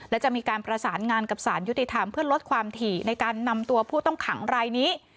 และจะมีการประสานงานกับสารยุติธรรมเพื่อลดความถี่ในการนำตัวผู้ต้องขังรายนี้